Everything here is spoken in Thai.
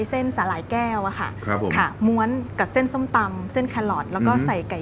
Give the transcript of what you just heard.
มาใช้เส้นสาหร่ายแก้วอะค่ะค่ะ้าหมวนกับเส้นส้มตำเส้นแล้วก็ใส่ไก่